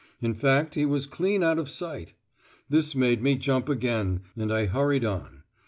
In fact he was clean out of sight. This made me jump again, and I hurried on.